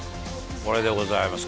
これでございます